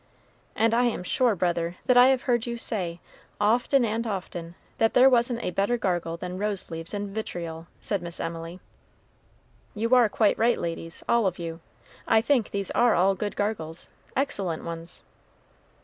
"And I am sure, brother, that I have heard you say, often and often, that there wasn't a better gargle than rose leaves and vitriol," said Miss Emily. "You are quite right, ladies, all of you. I think these are all good gargles excellent ones."